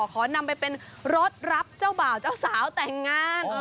ขอนำไปเป็นรถรับเจ้าบ่าวเจ้าสาวแต่งงาน